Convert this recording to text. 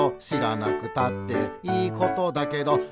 「しらなくたっていいことだけど」